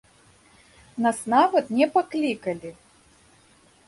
Нас нават не паклікалі.